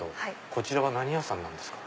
こちらは何屋さんなんですか？